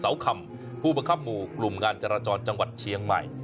คำผู้ประคับหมู่กลุ่มงานจราจรจังหวัดเชียงใหม่